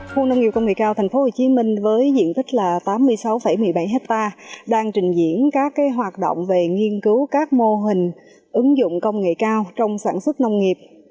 khu nông nghiệp công nghệ cao thành phố hồ chí minh với diện tích tám mươi sáu một mươi bảy hecta đang trình diễn các hoạt động về nghiên cứu các mô hình ứng dụng công nghệ cao trong sản xuất nông nghiệp